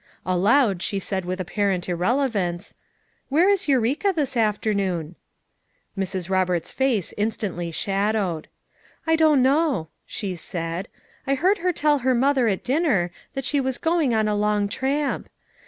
Aloud, she said with apparent irrelevance. " Where is Eureka this afternoon?" Mrs. Roberts's face instantly shadowed. "I don't know," she said. "I heard her tell her mother at dinner that she was going on a long tramp.